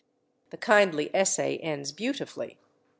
The kindly essay ends beautifully.